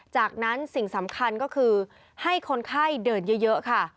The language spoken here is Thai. จากนั้นสิ่งสำคัญก็คือให้คนไข้เดินเยอะค่ะ